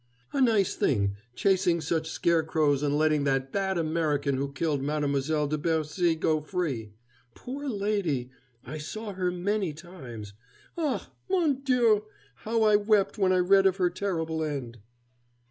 A nice thing, chasing such scarecrows and letting that bad American who killed Mademoiselle de Bercy go free. Poor lady! I saw her many times. Ah, mon Dieu, how I wept when I read of her terrible end!"